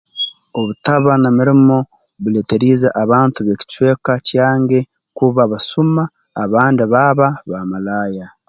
Obutaba na mirimo buleeteriize abantu b'ekicweka kyange kuba basuma abandi baaba baamalaaya